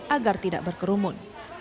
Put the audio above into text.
agar tidak berkerumun